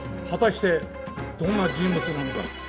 果たしてどんな人物なのか。